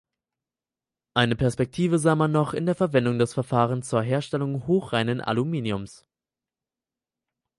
Eine Perspektive sah man noch in der Verwendung des Verfahrens zur Herstellung hochreinen Aluminiums.